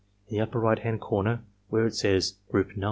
In the upper right hand corner, where it says 'Group No.